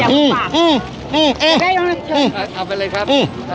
อื้อโหโห